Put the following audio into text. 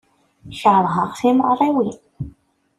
Keṛheɣ timeɣriwin.